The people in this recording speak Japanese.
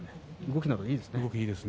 動きがいいですね。